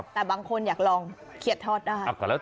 แต่บางคนอยากลองเขียดทอดได้